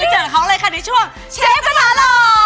เจอเขาเลยค่ะในช่วงเชฟกระทะหล่อ